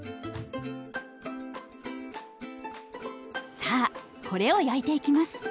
さあこれを焼いていきます。